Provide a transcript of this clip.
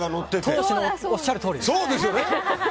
党首のおっしゃるとおりです！